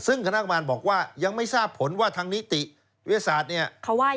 ซึ่งคณะกรรมการบอกว่ายังไม่ทราบผลว่าทางนิติวิทยาศาสตร์เนี่ย